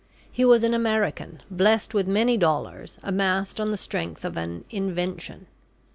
He was an American, blessed with many dollars, amassed on the strength of an "Invention."